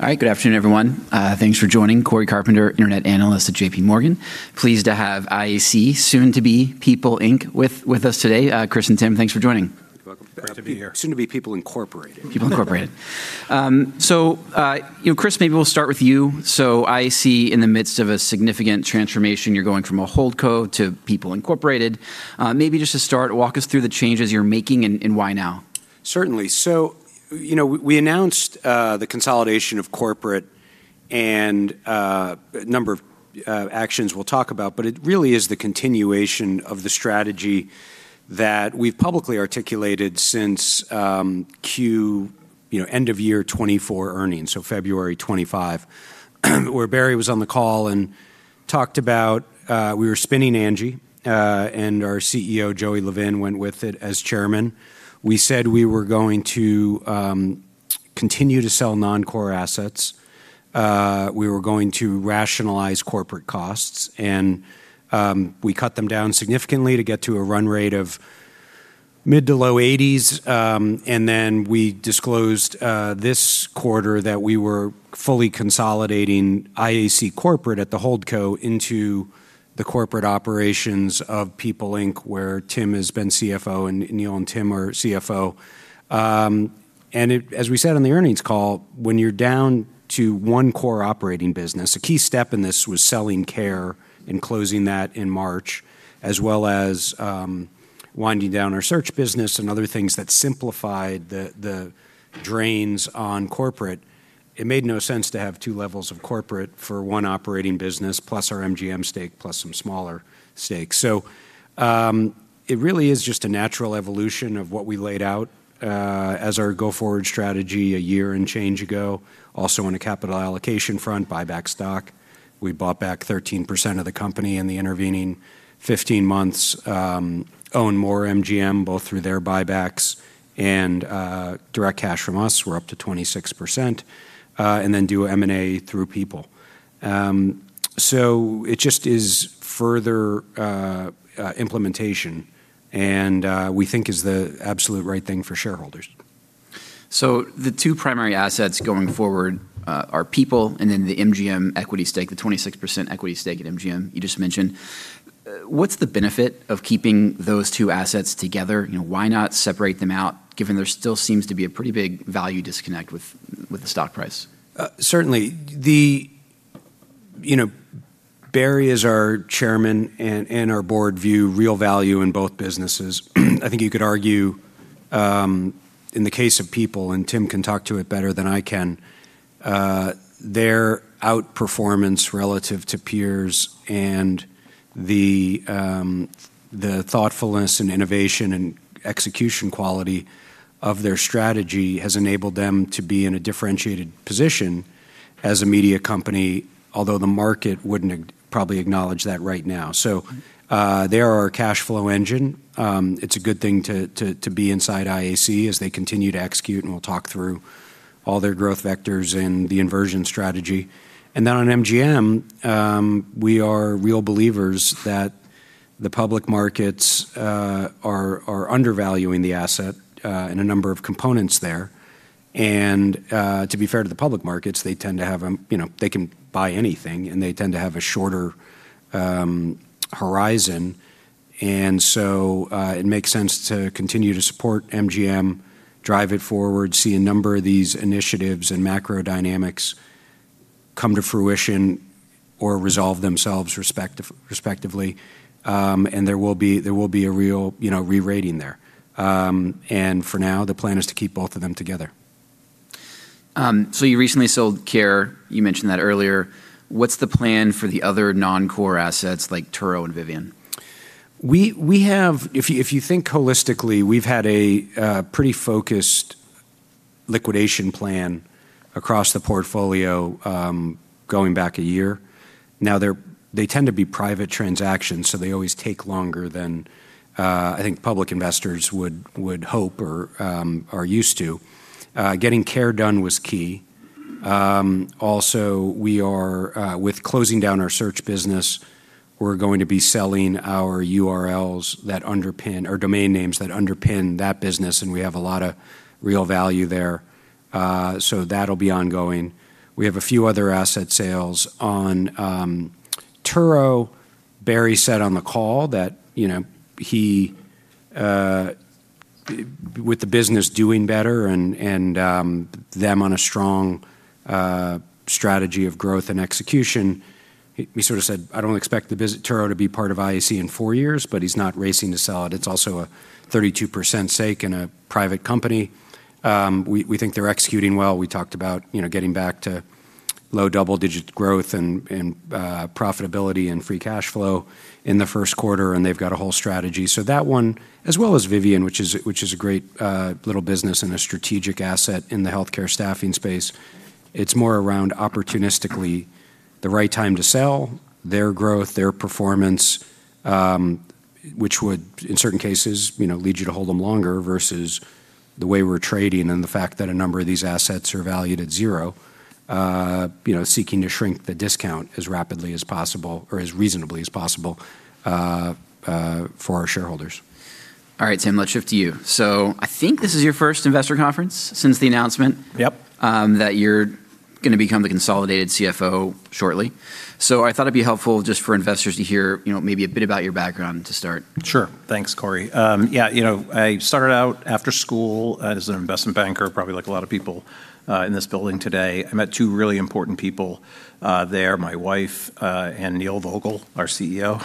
All right. Good afternoon, everyone. Thanks for joining. Cory Carpenter, Internet Analyst at J.P. Morgan. Pleased to have IAC, soon to be People Inc, with us today. Chris and Tim, thanks for joining. You're welcome. Great to be here. Soon to be People Incorporated. People Incorporated. You know, Chris, maybe we'll start with you. IAC in the midst of a significant transformation. You're going from a holdco to People Incorporated. Maybe just to start, walk us through the changes you're making and why now. Certainly. We announced the consolidation of corporate and a number of actions we'll talk about, but it really is the continuation of the strategy that we've publicly articulated since Q end of year 2024 earnings, so February 2025, where Barry was on the call and talked about we were spinning Angi, and our CEO Joey Levin went with it as chairman. We said we were going to continue to sell non-core assets. We were going to rationalize corporate costs and we cut them down significantly to get to a run rate of mid to low $80s. Then we disclosed this quarter that we were fully consolidating IAC corporate at the holdco into the corporate operations of People Inc, where Tim has been CFO and Neil and Tim are CFO. As we said on the earnings call, when you're down to one core operating business, a key step in this was selling Care and closing that in March, as well as winding down our search business and other things that simplified the drains on corporate. It made no sense to have two levels of corporate for one operating business, plus our MGM stake, plus some smaller stakes. It really is just a natural evolution of what we laid out as our go-forward strategy a year and change ago. Also on a capital allocation front, buy back stock. We bought back 13% of the company in the intervening 15 months. Own more MGM both through their buybacks and direct cash from us. We're up to 26%. Do M&A through People. It just is further implementation and we think is the absolute right thing for shareholders. The two primary assets going forward are People and then the MGM equity stake, the 26% equity stake at MGM you just mentioned. What's the benefit of keeping those two assets together? You know, why not separate them out given there still seems to be a pretty big value disconnect with the stock price? Certainly. Barry as our chairman and our board view real value in both businesses. I think you could argue, in the case of People, and Tim can talk to it better than I can, their outperformance relative to peers and the thoughtfulness and innovation and execution quality of their strategy has enabled them to be in a differentiated position as a media company, although the market wouldn't probably acknowledge that right now. They're our cash flow engine. It's a good thing to be inside IAC as they continue to execute, and we'll talk through all their growth vectors and the inversion strategy. On MGM, we are real believers that the public markets are undervaluing the asset in a number of components there. To be fair to the public markets, they tend to have you know, they can buy anything, and they tend to have a shorter horizon. It makes sense to continue to support MGM, drive it forward, see a number of these initiatives and macro dynamics come to fruition or resolve themselves respectively. There will be a real, you know, re-rating there. For now, the plan is to keep both of them together. You recently sold Care. You mentioned that earlier. What's the plan for the other non-core assets like Turo and Vivian? If you think holistically, we've had a pretty focused liquidation plan across the portfolio, going back a year. They tend to be private transactions, so they always take longer than I think public investors would hope or are used to. Getting Care done was key. Also we are with closing down our search business, we're going to be selling our URLs that underpin or domain names that underpin that business, and we have a lot of real value there. That'll be ongoing. We have a few other asset sales. On Turo, Barry said on the call that, you know, he with the business doing better and them on a strong strategy of growth and execution, he sort of said, "I don't expect Turo to be part of IAC in four years," but he's not racing to sell it. It's also a 32% stake in a private company. We, we think they're executing well. We talked about, you know, getting back to low double-digit growth and profitability and free cash flow in the first quarter, and they've got a whole strategy. That one, as well as Vivian, which is a great little business and a strategic asset in the healthcare staffing space. It's more around opportunistically the right time to sell, their growth, their performance, which would in certain cases, you know, lead you to hold them longer versus the way we're trading and the fact that a number of these assets are valued at zero. You know, seeking to shrink the discount as rapidly as possible or as reasonably as possible, for our shareholders. All right, Tim, let's shift to you. I think this is your first investor conference since the announcement. Yep That you're going to become the consolidated CFO shortly. I thought it'd be helpful just for investors to hear, you know, maybe a bit about your background to start. Sure. Thanks, Cory. Yeah, you know, I started out after school as an investment banker, probably like a lot of people in this building today. I met two really important people there, my wife, and Neil Vogel, our CEO.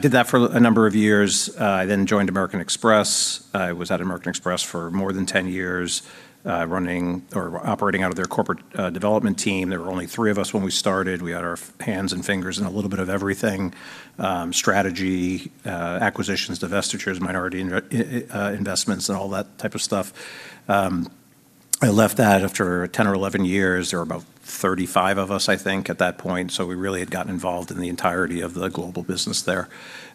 Did that for a number of years. Joined American Express. I was out at American Express for more than 10 years, running or operating out of their corporate development team. There were only three of us when we started. We had our hands and fingers in a little bit of everything, strategy, acquisitions, divestitures, minority investments, and all that type of stuff. I left that after 10 or 11 years. There were about 35 of us, I think, at that point. We really had gotten involved in the entirety of the global business there.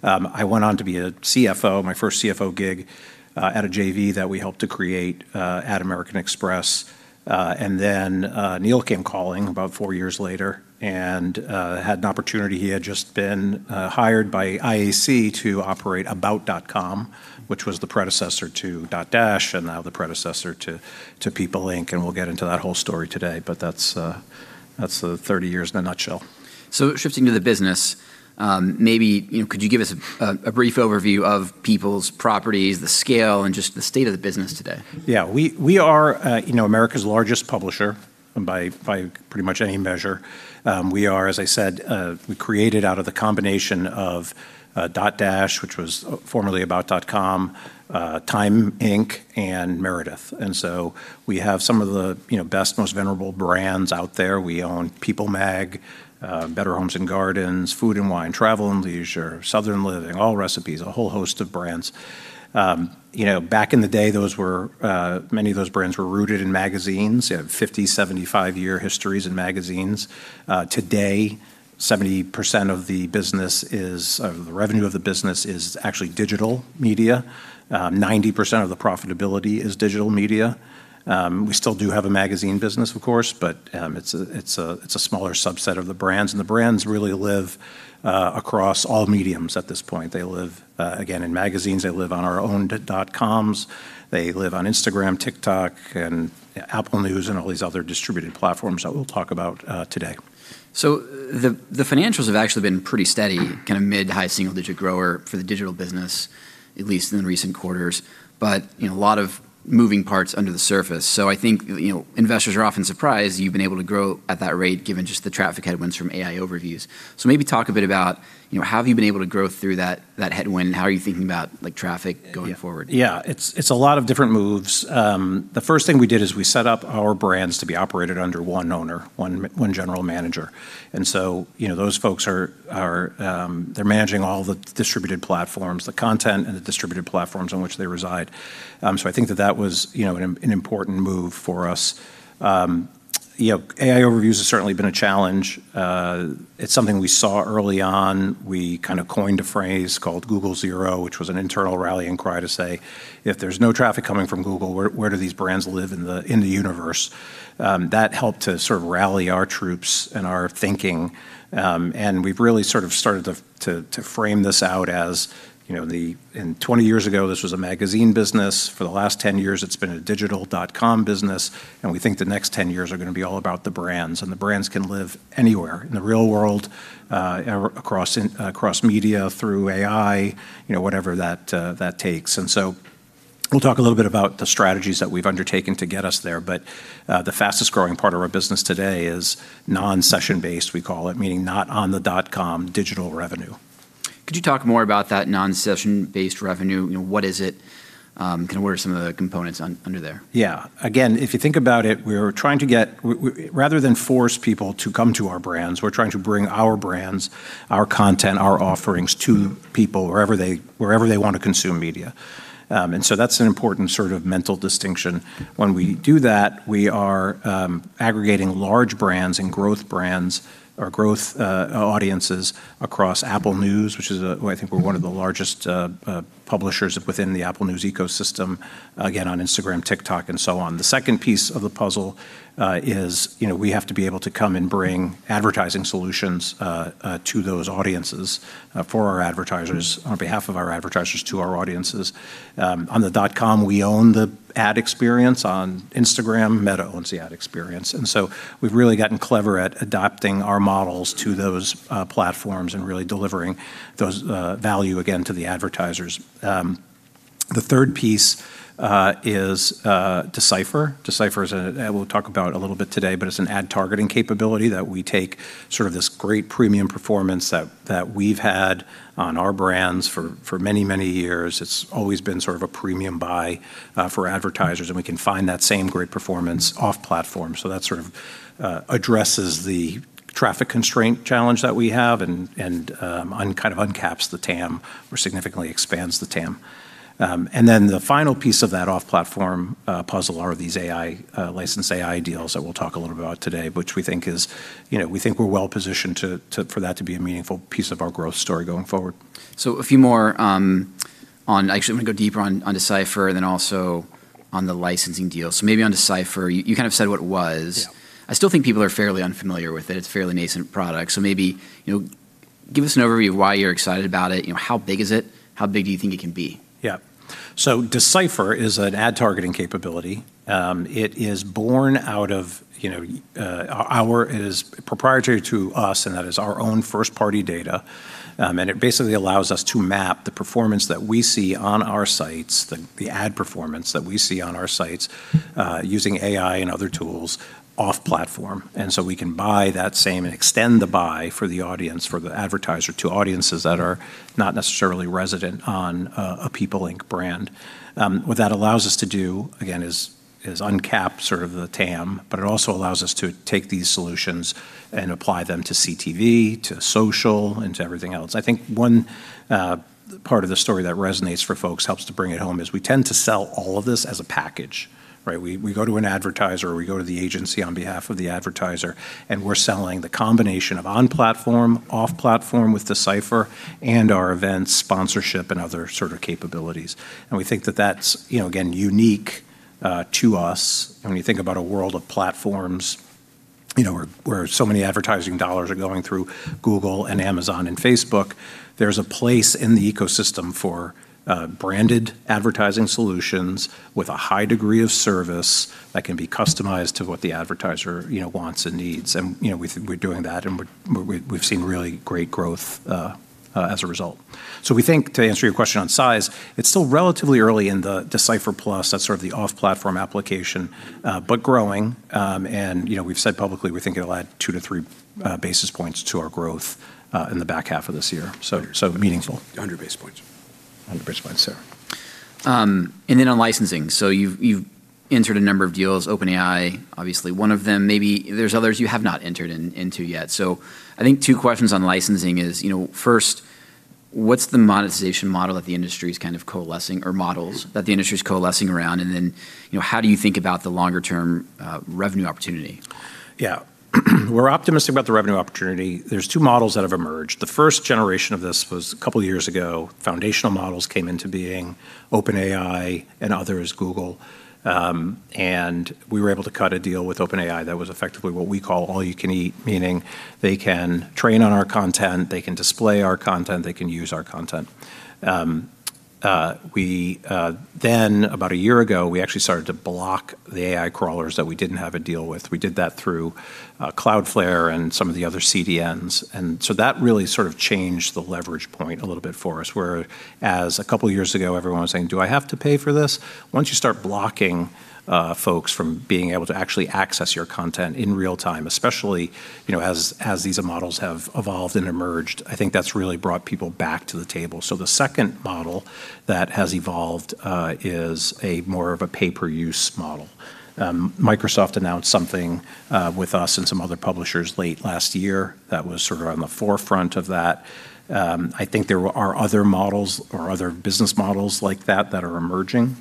I went on to be a CFO, my first CFO gig, at a JV that we helped to create, at American Express. Neil came calling about four years later and had an opportunity. He had just been hired by IAC to operate About.com, which was the predecessor to Dotdash and now the predecessor to People Inc. We'll get into that whole story today, that's the 30 years in a nutshell. Shifting to the business, you know, could you give us a brief overview of People's properties, the scale, and just the state of the business today? Yeah. We are, you know, America's largest publisher by pretty much any measure. We are, as I said, we created out of the combination of Dotdash, which was formerly About.com, Time Inc., and Meredith. We have some of the, you know, best, most venerable brands out there. We own People mag, Better Homes & Gardens, Food & Wine, Travel + Leisure, Southern Living, Allrecipes, a whole host of brands. You know, back in the day, those were, many of those brands were rooted in magazines. They have 50, 75-year histories in magazines. Today, 70% of the business is, the revenue of the business is actually digital media. 90% of the profitability is digital media. We still do have a magazine business, of course, but it's a smaller subset of the brands, and the brands really live across all mediums at this point. They live again in magazines. They live on our own dotcoms. They live on Instagram, TikTok, and Apple News, and all these other distributed platforms that we'll talk about today. The financials have actually been pretty steady, kind of mid-high single-digit grower for the digital business, at least in recent quarters. You know, a lot of moving parts under the surface. I think, you know, investors are often surprised you've been able to grow at that rate given just the traffic headwinds from AI Overviews. Maybe talk a bit about, you know, how have you been able to grow through that headwind? How are you thinking about, like, traffic going forward? Yeah. Yeah. It's a lot of different moves. The first thing we did is we set up our brands to be operated under one owner, one general manager. you know, those folks are, they're managing all the distributed platforms, the content and the distributed platforms on which they reside. I think that that was, you know, an important move for us. you know, AI Overviews has certainly been a challenge. It's something we saw early on. We kind of coined a phrase called Google Zero, which was an internal rallying cry to say, "If there's no traffic coming from Google, where do these brands live in the universe?" That helped to sort of rally our troops and our thinking, we've really sort of started to frame this out as, you know, the 20 years ago, this was a magazine business. For the last 10 years, it's been a digital dotcom business, and we think the next 10 years are gonna be all about the brands, and the brands can live anywhere, in the real world, across media, through AI, you know, whatever that takes. So we'll talk a little bit about the strategies that we've undertaken to get us there. The fastest-growing part of our business today is non-session-based, we call it, meaning not on the dotcom digital revenue. Could you talk more about that non-session-based revenue? You know, what is it? Kind of what are some of the components under there? Yeah. Again, if you think about it, we're trying to get rather than force people to come to our brands, we're trying to bring our brands, our content, our offerings to people wherever they want to consume media. That's an important sort of mental distinction. When we do that, we are aggregating large brands and growth brands or growth audiences across Apple News, which is a Well, I think we're one of the largest publishers within the Apple News ecosystem, again, on Instagram, TikTok, and so on. The second piece of the puzzle is, you know, we have to be able to come and bring advertising solutions to those audiences for our advertisers, on behalf of our advertisers to our audiences. On the dotcom, we own the ad experience. On Instagram, Meta owns the ad experience. We've really gotten clever at adopting our models to those platforms and really delivering those value again to the advertisers. The third piece is D/Cipher. D/Cipher is. We'll talk about it a little bit today, but it's an ad targeting capability that we take sort of this great premium performance that we've had on our brands for many years. It's always been sort of a premium buy for advertisers, we can find that same great performance off platform. That sort of addresses the traffic constraint challenge that we have and kind of uncaps the TAM or significantly expands the TAM. The final piece of that off-platform puzzle are these AI licensed AI deals that we'll talk a little about today, which we think is, you know, we think we're well-positioned to for that to be a meaningful piece of our growth story going forward. A few more, on Actually, I'm gonna go deeper on D/Cipher and then also on the licensing deal. Maybe on D/Cipher, you kind of said what it was. Yeah. I still think people are fairly unfamiliar with it. It's a fairly nascent product. Maybe, you know, give us an overview of why you're excited about it. You know, how big is it? How big do you think it can be? Yeah. D/Cipher is an ad targeting capability. It is born out of, you know, our. It is proprietary to us, and that is our own first-party data. It basically allows us to map the performance that we see on our sites, the ad performance that we see on our sites, using AI and other tools off-platform. We can buy that same and extend the buy for the audience, for the advertiser to audiences that are not necessarily resident on a People Inc brand. What that allows us to do, again, is uncap sort of the TAM, but it also allows us to take these solutions and apply them to CTV, to social, and to everything else. I think one part of the story that resonates for folks, helps to bring it home is we tend to sell all of this as a package, right? We go to an advertiser or we go to the agency on behalf of the advertiser, and we're selling the combination of on-platform, off-platform with D/Cipher and our events sponsorship and other sort of capabilities. We think that that's, you know, again, unique to us when you think about a world of platforms, you know, where so many advertising dollars are going through Google and Amazon and Facebook. There's a place in the ecosystem for branded advertising solutions with a high degree of service that can be customized to what the advertiser, you know, wants and needs. You know, we're doing that, and we've seen really great growth as a result. We think, to answer your question on size, it's still relatively early in the D/Cipher Plus. That's sort of the off-platform application, but growing. You know, we've said publicly we think it'll add 2-3 basis points to our growth in the back half of this year, so meaningful. 100 basis points. 100 basis points, yeah. On licensing, you've entered a number of deals, OpenAI, obviously one of them. Maybe there's others you have not entered into yet. I think two questions on licensing is, you know, first, what's the monetization model that the industry's kind of coalescing or models that the industry's coalescing around? You know, how do you think about the longer-term revenue opportunity? We're optimistic about the revenue opportunity. There's 2 models that have emerged. The first generation of this was a couple years ago, foundational models came into being, OpenAI and others, Google. We were able to cut a deal with OpenAI that was effectively what we call all you can eat, meaning they can train on our content, they can display our content, they can use our content. About a year ago, we actually started to block the AI crawlers that we didn't have a deal with. We did that through Cloudflare and some of the other CDNs. That really sort of changed the leverage point a little bit for us, where as a couple years ago, everyone was saying, "Do I have to pay for this?" Once you start blocking folks from being able to actually access your content in real time, especially, you know, as these models have evolved and emerged, I think that's really brought people back to the table. The second model that has evolved is a more of a pay per use model. Microsoft announced something with us and some other publishers late last year that was sort of on the forefront of that. I think there are other models or other business models like that that are emerging.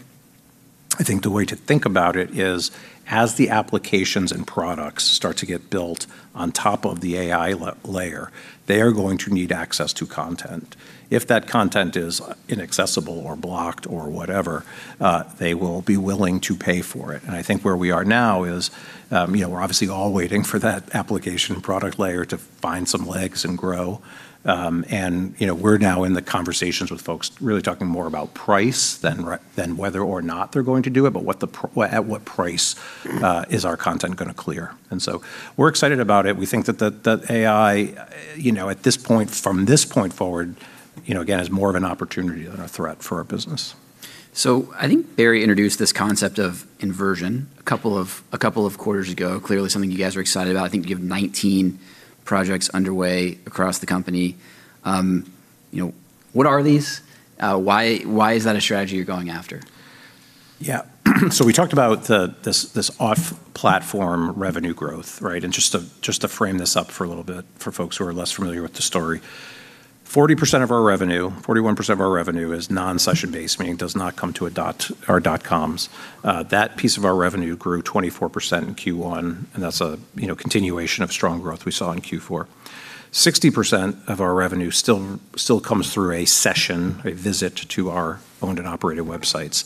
I think the way to think about it is as the applications and products start to get built on top of the AI layer, they are going to need access to content. If that content is inaccessible or blocked or whatever, they will be willing to pay for it. I think where we are now is, you know, we're obviously all waiting for that application product layer to find some legs and grow. You know, we're now in the conversations with folks really talking more about price than whether or not they're going to do it, but at what price is our content gonna clear. We're excited about it. We think that the AI, you know, at this point, from this point forward, you know, again, is more of an opportunity than a threat for our business. I think Barry introduced this concept of inversion a couple of quarters ago. Clearly something you guys are excited about. I think you have 19 projects underway across the company. You know, what are these? Why is that a strategy you're going after? Yeah. We talked about this off-platform revenue growth, right? Just to frame this up for a little bit for folks who are less familiar with the story, 40% of our revenue, 41% of our revenue is non-session based, meaning it does not come to a dot or dot coms. That piece of our revenue grew 24% in Q1, and that's a, you know, continuation of strong growth we saw in Q4. 60% of our revenue still comes through a session, a visit to our owned and operated websites.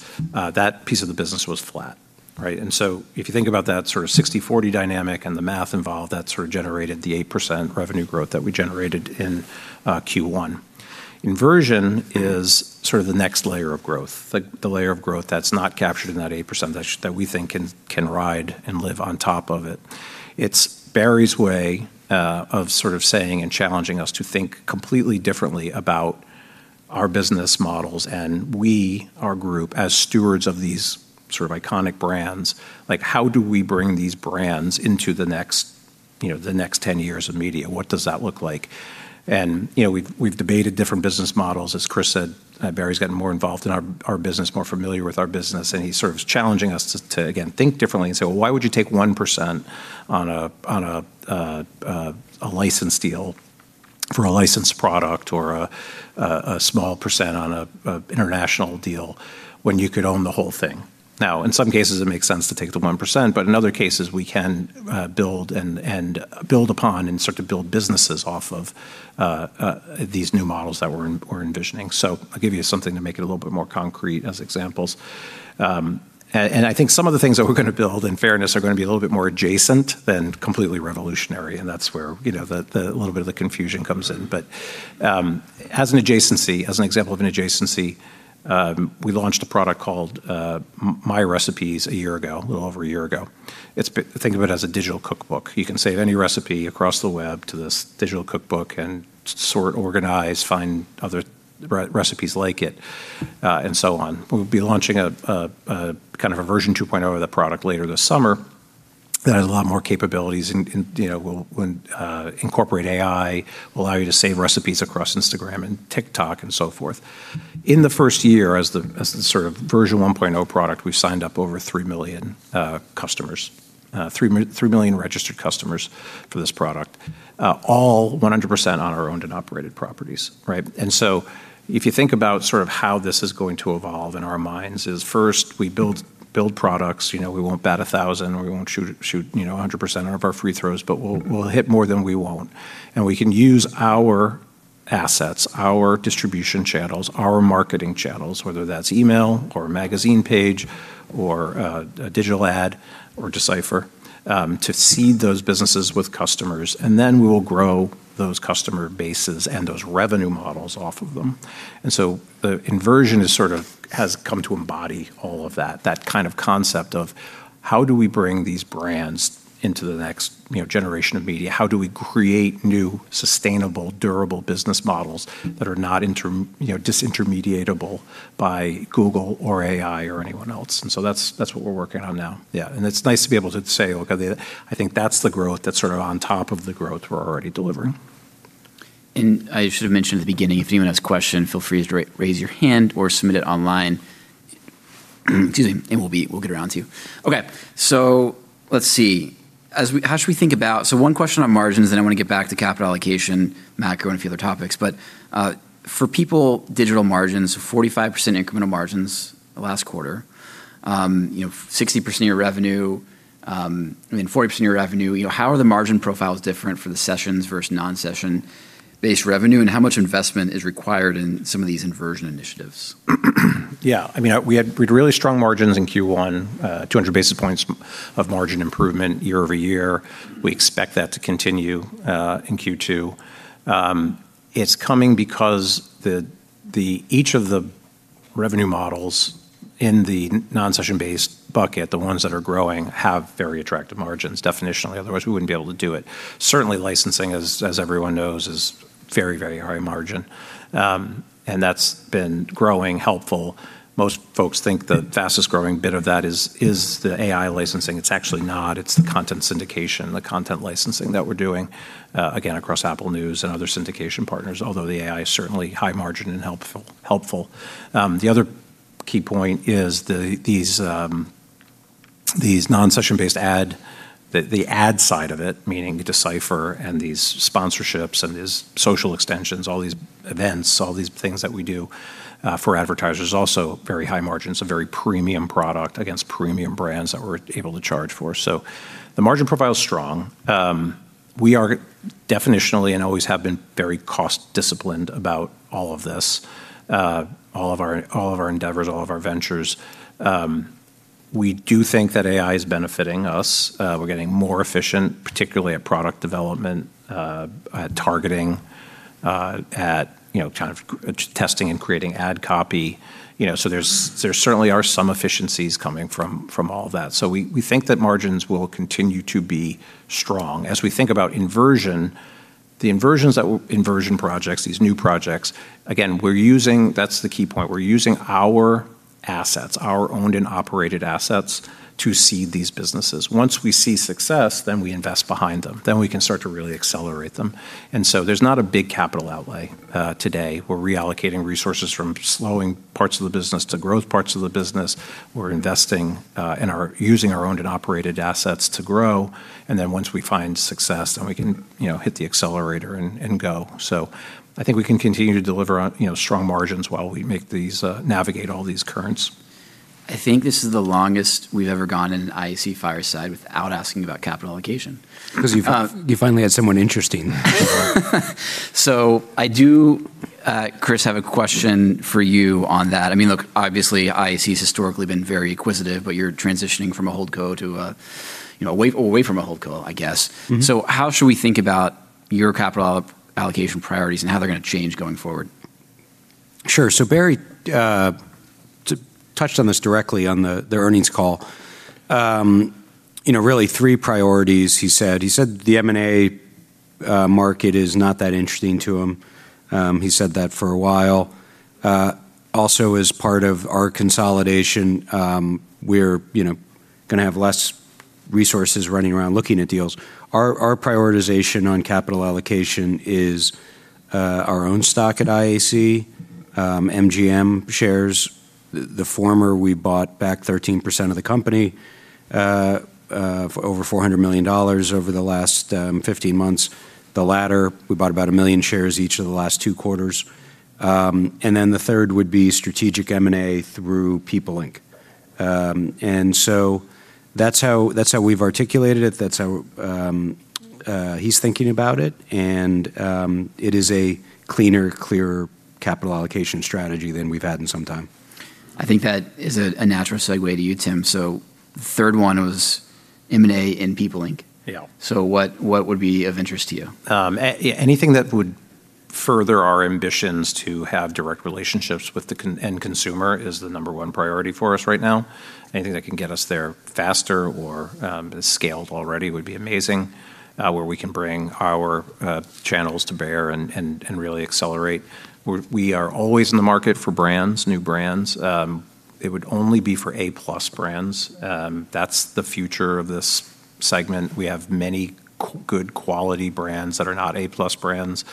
That piece of the business was flat, right? If you think about that sort of 60/40 dynamic and the math involved, that sort of generated the 8% revenue growth that we generated in Q1. Inversion is sort of the next layer of growth, the layer of growth that's not captured in that 8% that we think can ride and live on top of it. It's Barry's way of sort of saying and challenging us to think completely differently about our business models. We, our group, as stewards of these sort of iconic brands, like, how do we bring these brands into the next, you know, the next 10 years of media? What does that look like? You know, we've debated different business models. As Chris said, Barry's gotten more involved in our business, more familiar with our business, and he's sort of challenging us to again, think differently and say, "Well, why would you take 1% on a license deal for a licensed product or a small % on a international deal when you could own the whole thing?" In some cases, it makes sense to take the 1%, but in other cases, we can build and build upon and sort of build businesses off of these new models that we're envisioning. I'll give you something to make it a little bit more concrete as examples. I think some of the things that we're gonna build, in fairness, are gonna be a little bit more adjacent than completely revolutionary, and that's where, you know, a little bit of the confusion comes in. As an adjacency, as an example of an adjacency, we launched a product called MyRecipes a year ago, a little over a year ago. Think of it as a digital cookbook. You can save any recipe across the web to this digital cookbook and sort, organize, find other recipes like it, and so on. We'll be launching a kind of a version 2.0 of the product later this summer that has a lot more capabilities and, you know, will incorporate AI, allow you to save recipes across Instagram and TikTok and so forth. In the first year, as the sort of version 1.0 product, we've signed up over 3 million customers, 3 million registered customers for this product, all 100% on our owned and operated properties, right? If you think about sort of how this is going to evolve in our minds is first, we build products, you know, we won't bat 1,000 or we won't shoot, you know, 100% of our free throws, but we'll hit more than we won't. We can use our assets, our distribution channels, our marketing channels, whether that's email or a magazine page or a digital ad or D/Cipher to seed those businesses with customers, then we will grow those customer bases and those revenue models off of them. The inversion is sort of has come to embody all of that kind of concept of how do we bring these brands into the next, you know, generation of media? How do we create new, sustainable, durable business models that are not, you know, disintermediatable by Google or AI or anyone else? That's what we're working on now. Yeah, it's nice to be able to say, look, I think that's the growth that's sort of on top of the growth we're already delivering. I should have mentioned at the beginning, if anyone has a question, feel free to raise your hand or submit it online, excuse me, and we'll get around to you. Okay, let's see. How should we think about one question on margins, then I wanna get back to capital allocation, macro, and a few other topics. For People, digital margins, 45% incremental margins last quarter, you know, 60% year revenue, I mean, 40% year revenue. You know, how are the margin profiles different for the sessions versus non-session-based revenue, and how much investment is required in some of these inversion initiatives? Yeah, I mean, we had really strong margins in Q1, 200 basis points of margin improvement year-over-year. We expect that to continue in Q2. It's coming because the each of the revenue models in the non-session-based bucket, the ones that are growing, have very attractive margins, definitionally. Otherwise, we wouldn't be able to do it. Certainly licensing, as everyone knows, is very, very high margin, and that's been growing helpful. Most folks think the fastest-growing bit of that is the AI licensing. It's actually not. It's the content syndication, the content licensing that we're doing again, across Apple News and other syndication partners, although the AI is certainly high margin and helpful. The other key point is the, these non-session-based ad, the ad side of it, meaning D/Cipher and these sponsorships and these social extensions, all these events, all these things that we do, for advertisers, also very high margins, a very premium product against premium brands that we're able to charge for. The margin profile is strong. We are definitionally and always have been very cost-disciplined about all of this, all of our, all of our endeavors, all of our ventures. We do think that AI is benefiting us. We're getting more efficient, particularly at product development, at targeting, at, you know, kind of testing and creating ad copy. You know, there certainly are some efficiencies coming from all of that. We think that margins will continue to be strong. As we think about inversion, the inversions that inversion projects, these new projects, again, we're using, that's the key point, we're using our assets, our owned and operated assets to seed these businesses. Once we see success, then we invest behind them. Then we can start to really accelerate them. There's not a big capital outlay today. We're reallocating resources from slowing parts of the business to growth parts of the business. We're investing and are using our owned and operated assets to grow, and then once we find success, then we can, you know, hit the accelerator and go. I think we can continue to deliver on, you know, strong margins while we make these, navigate all these currents. I think this is the longest we've ever gone in an IAC Fireside without asking about capital allocation. You finally had someone interesting. I do, Chris, have a question for you on that. I mean, look, obviously, IAC has historically been very acquisitive, but you're transitioning from a hold co to a away from a hold co, I guess. How should we think about your capital allocation priorities and how they're going to change going forward? Sure. Barry touched on this directly on the earnings call. You know, really 3 priorities, he said. He said the M&A market is not that interesting to him. He said that for a while. Also as part of our consolidation, we're, you know, gonna have less resources running around looking at deals. Our prioritization on capital allocation is our own stock at IAC, MGM shares. The former we bought back 13% of the company over $400 million over the last 15 months. The latter, we bought about 1 million shares each of the last 2 quarters. The third would be strategic M&A through People Inc. That's how we've articulated it, that's how he's thinking about it. It is a cleaner, clearer capital allocation strategy than we've had in some time. I think that is a natural segue to you, Tim. third one was M&A and People Inc. Yeah. What would be of interest to you? Anything that would further our ambitions to have direct relationships with the end consumer is the number one priority for us right now. Anything that can get us there faster or is scaled already would be amazing, where we can bring our channels to bear and really accelerate. We are always in the market for brands, new brands. It would only be for A-plus brands. That's the future of this segment. We have many good quality brands that are not A-plus brands,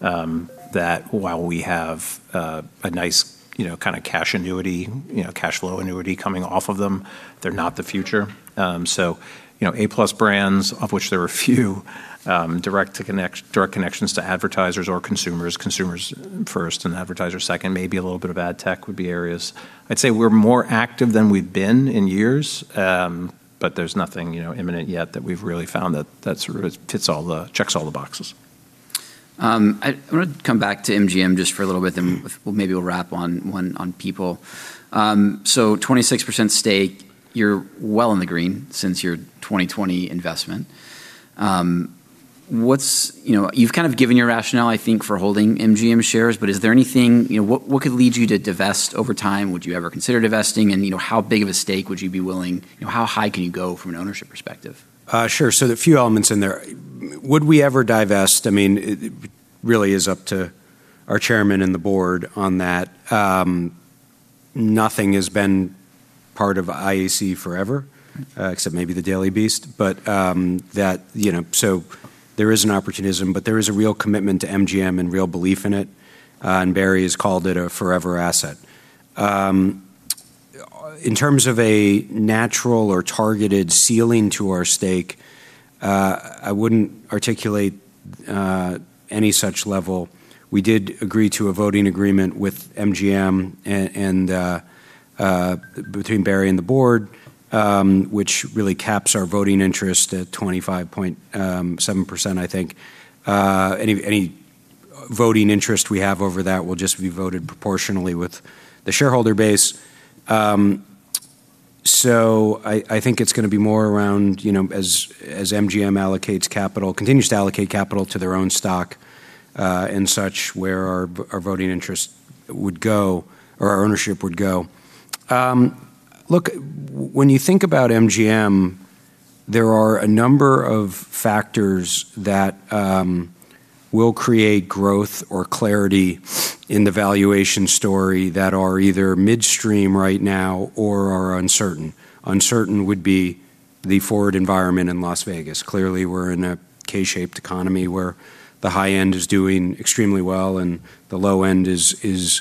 that while we have a nice, you know, kinda cash annuity, you know, cash flow annuity coming off of them, they're not the future. A-plus brands, of which there are few direct connections to advertisers or consumers first and advertisers second, maybe a little bit of ad tech would be areas. I'd say we're more active than we've been in years, there's nothing imminent yet that we've really found that checks all the boxes. I wanna come back to MGM just for a little bit and well, maybe we'll wrap on People. 26% stake, you're well in the green since your 2020 investment. You know, you've kind of given your rationale, I think, for holding MGM shares, but is there anything, you know, what could lead you to divest over time? Would you ever consider divesting? You know, how big of a stake would you be willing, you know, how high can you go from an ownership perspective? Sure. There are a few elements in there. Would we ever divest? I mean, it really is up to our chairman and the board on that. Nothing has been part of IAC forever, except maybe The Daily Beast. That, you know there is an opportunism, but there is a real commitment to MGM and real belief in it, and Barry has called it a forever asset. In terms of a natural or targeted ceiling to our stake, I wouldn't articulate any such level. We did agree to a voting agreement with MGM and between Barry and the board, which really caps our voting interest at 25.7%, I think. Any voting interest we have over that will just be voted proportionally with the shareholder base. I think it's going to be more around, you know, as MGM allocates capital, continues to allocate capital to their own stock, and such where our voting interest would go, or our ownership would go. Look, when you think about MGM, there are a number of factors that will create growth or clarity in the valuation story that are either midstream right now or are uncertain. Uncertain would be the forward environment in Las Vegas. Clearly, we're in a K-shaped economy where the high end is doing extremely well and the low end is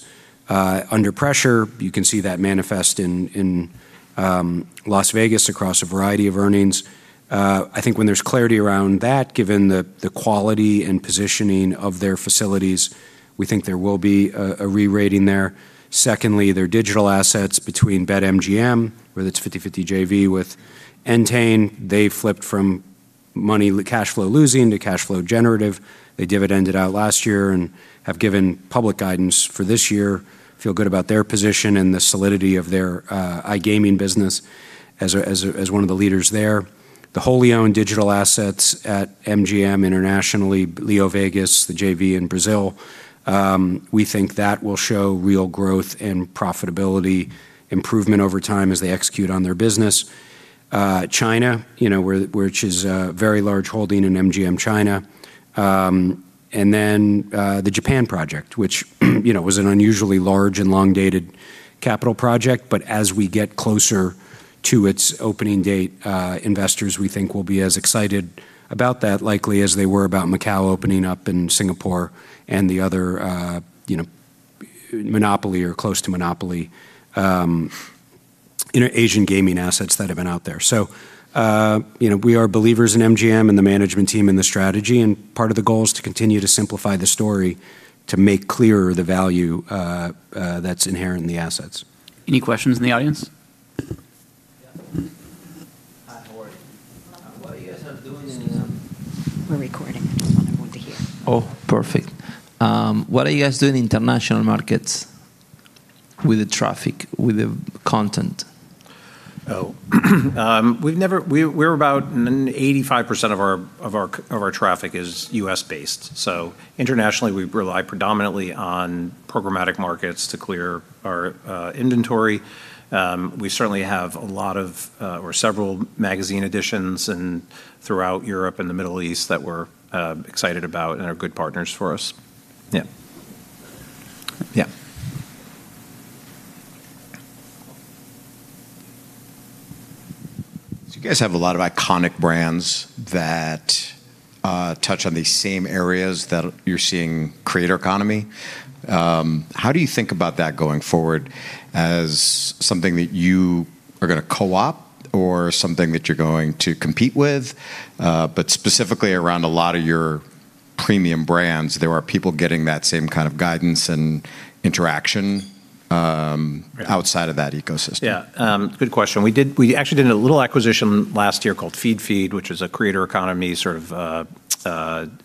under pressure. You can see that manifest in Las Vegas across a variety of earnings. I think when there's clarity around that, given the quality and positioning of their facilities, we think there will be a re-rating there. Secondly, their digital assets between BetMGM, whether it's 50/50 JV with Entain, they flipped from cash flow losing to cash flow generative. They dividended out last year and have given public guidance for this year, feel good about their position and the solidity of their iGaming business as one of the leaders there. The wholly owned digital assets at MGM internationally, LeoVegas, the JV in Brazil, we think that will show real growth and profitability improvement over time as they execute on their business. China, you know, where, which is a very large holding in MGM China. The Japan project, which, you know, was an unusually large and long-dated capital project. As we get closer to its opening date, investors, we think, will be as excited about that likely as they were about Macau opening up and Singapore and the other, you know, monopoly or close to monopoly, you know, Asian gaming assets that have been out there. We are believers in MGM and the management team and the strategy, and part of the goal is to continue to simplify the story to make clearer the value that's inherent in the assets. Any questions in the audience? Yeah. Hi, how are you? What are you guys are doing in, We're recording. I just want everyone to hear. Oh, perfect. What are you guys doing in international markets with the traffic, with the content? We're about 85% of our traffic is U.S.-based. Internationally, we rely predominantly on programmatic markets to clear our inventory. We certainly have a lot of, or several magazine editions in, throughout Europe and the Middle East that we're excited about and are good partners for us. You guys have a lot of iconic brands that touch on the same areas that you're seeing creator economy. How do you think about that going forward as something that you are gonna co-op or something that you're going to compete with? Specifically around a lot of your premium brands, there are people getting that same kind of guidance and interaction, Right outside of that ecosystem. Good question. We did, we actually did a little acquisition last year called Feedfeed, which is a creator economy sort of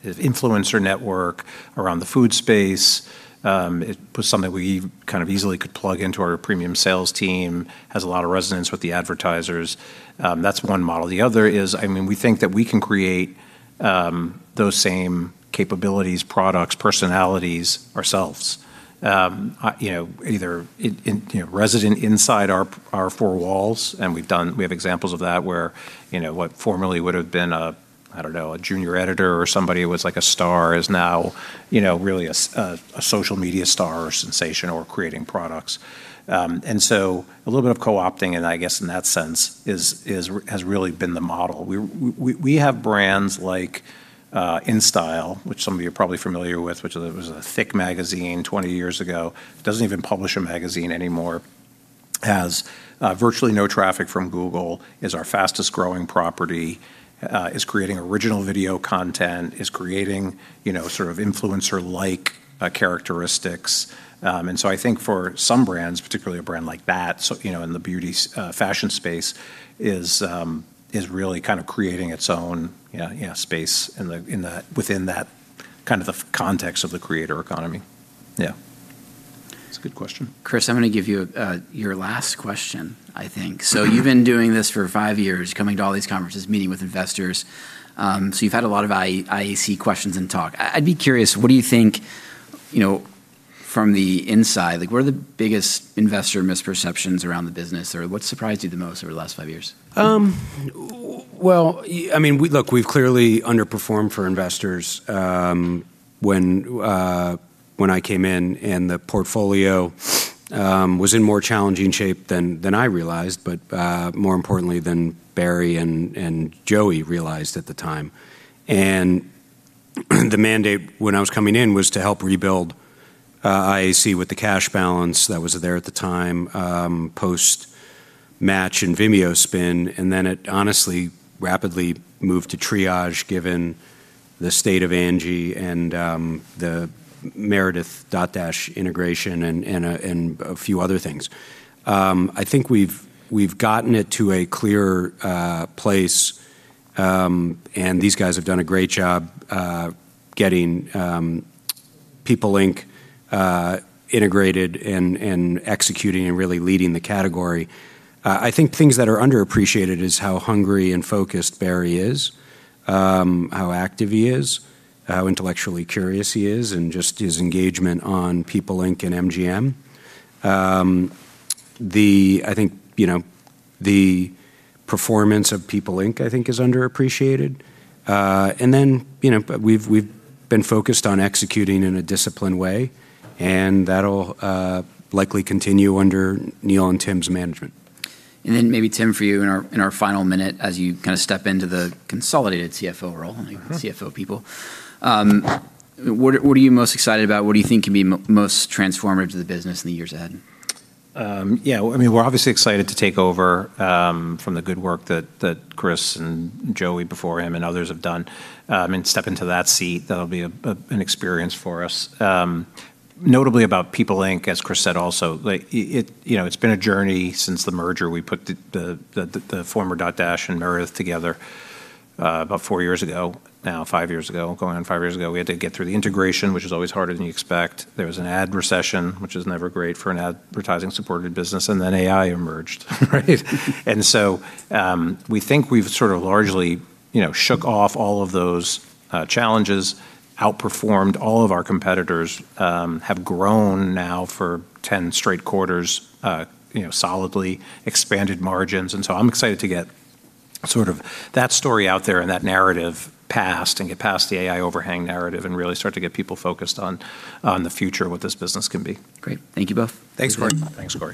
influencer network around the food space. It was something we kind of easily could plug into our premium sales team, has a lot of resonance with the advertisers. That's one model. The other is, I mean, we think that we can create those same capabilities, products, personalities ourselves. You know, either in, you know, resident inside our four walls, and we've done we have examples of that where, you know, what formerly would've been a, I don't know, a junior editor or somebody who was, like, a star is now, you know, really a social media star or sensation or creating products. A little bit of co-opting and I guess in that sense is, has really been the model. We have brands like InStyle, which some of you are probably familiar with, which was a thick magazine 20 years ago. It doesn't even publish a magazine anymore. Has virtually no traffic from Google, is our fastest growing property, is creating original video content, is creating, you know, sort of influencer-like characteristics. I think for some brands, particularly a brand like that, so, you know, in the beauty fashion space, is really kind of creating its own space in the, in the, within that kind of the context of the creator economy. Yeah. That's a good question. Chris, I'm gonna give you your last question, I think. You've been doing this for 5 years, coming to all these conferences, meeting with investors, so you've had a lot of IAC questions and talk. I'd be curious, what do you think, you know, from the inside, like, what are the biggest investor misperceptions around the business, or what surprised you the most over the last 5 years? We've clearly underperformed for investors. When I came in, the portfolio was in more challenging shape than I realized, but more importantly than Barry and Joey realized at the time. The mandate when I was coming in was to help rebuild IAC with the cash balance that was there at the time, post Match and Vimeo spin, then it honestly rapidly moved to triage given the state of Angi and the Meredith Dotdash integration and a few other things. I think we've gotten it to a clearer place, these guys have done a great job getting People Inc integrated and executing and really leading the category. I think things that are underappreciated is how hungry and focused Barry is, how active he is, how intellectually curious he is, and just his engagement on People Inc. and MGM. I think, you know, the performance of People Inc., I think is underappreciated. You know, we've been focused on executing in a disciplined way, and that'll likely continue under Neil and Tim's management. Maybe Tim, for you in our final minute, as you kind of step into the consolidated CFO role. CFO people. What are you most excited about? What do you think can be most transformative to the business in the years ahead? Yeah. I mean, we're obviously excited to take over from the good work that Chris and Joey before him and others have done and step into that seat. That'll be an experience for us. Notably about People Inc, as Chris said also, like, you know, it's been a journey since the merger. We put the former Dotdash and Meredith together about 4 years ago now, 5 years ago. Going on 5 years ago. We had to get through the integration, which is always harder than you expect. There was an ad recession, which is never great for an advertising-supported business. AI emerged, right? We think we've sort of largely, you know, shook off all of those challenges, outperformed all of our competitors, have grown now for 10 straight quarters, you know, solidly, expanded margins. I'm excited to get sort of that story out there and that narrative past, and get past the AI overhang narrative and really start to get people focused on the future and what this business can be. Great. Thank you both. Thanks, Cory. Thanks, Cory.